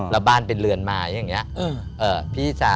เราบ้านเป็นเรือนมาอย่างนี้